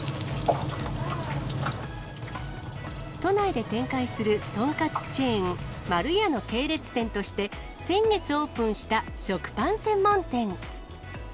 都内で展開するとんかつチェーン、まるやの系列店として、先月オープンした食パン専門店。